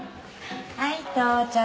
はい到着。